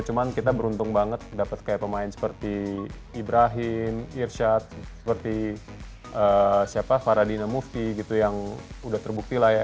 cuman kita beruntung banget dapet kayak pemain seperti ibrahim irsyad seperti siapa faradina mufti gitu yang udah terbukti lah ya